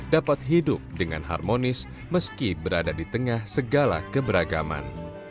dapat hidup dengan harmonis meski berada di tengah segala keberagaman